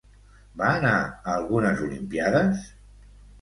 Va anar a algunes olimpíades?